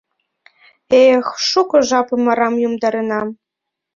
Эх, шуко жапым арам йомдаренам!